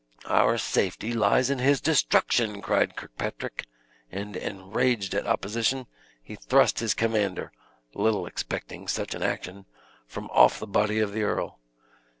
"Our safety lies in his destruction!" cried Kirkpatrick, and, enraged at opposition, he thrust his commander (little expecting such an action) from off the body of the earl.